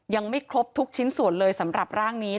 ยังไม่ครบทุกชิ้นส่วนเลยสำหรับร่างนี้